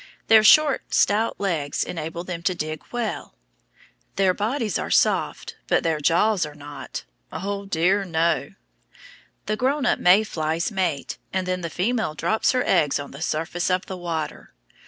Their short, stout legs enable them to dig well. Their bodies are soft, but their jaws are not. O dear, no! The grown up May flies mate, and then the female drops her eggs on the surface of the water.